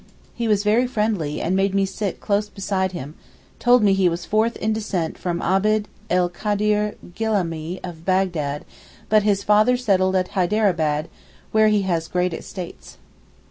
He was very friendly, and made me sit close beside him, told me he was fourth in descent from Abd el Kader Gylamee of Bagdad, but his father settled at Hyderabad, where he has great estates.